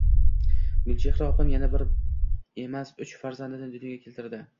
Gulchehra opam yana bir emas, uch farzandni dunyoga keltirdi